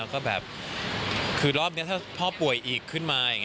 คือรอปเรื่องคือพ่อป่วยอีกขึ้นมา